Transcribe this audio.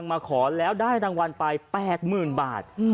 มาขอแล้วได้รางวัลไปแป๊ดหมื่นบาท